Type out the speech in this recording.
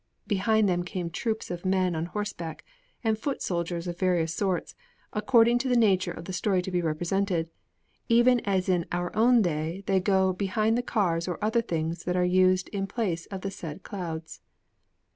Behind them came troops of men on horseback and foot soldiers of various sorts, according to the nature of the story to be represented, even as in our own day they go behind the cars or other things that are used in place of the said Clouds.